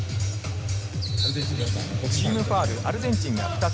チームファウル、アルゼンチンが２つ。